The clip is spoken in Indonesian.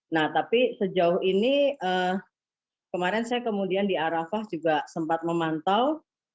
nah tapi sejauh ini kemarin saya kemudian di arafah juga sempat memantau